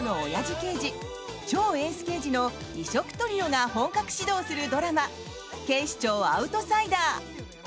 刑事超エース刑事の異色トリオが本格始動するドラマ「警視庁アウトサイダー」。